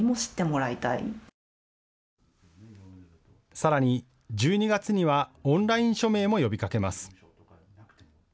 さらに、１２月にはオンライン署名も呼びかけます。